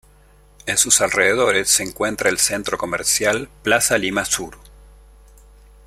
En sus alrededores se encuentra el centro comercial Plaza Lima Sur.